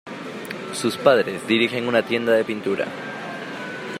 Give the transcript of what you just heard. Sus padres dirigen una tienda de pintura.